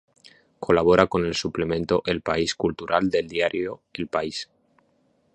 Colabora con el suplemento El País Cultural del diario "El País".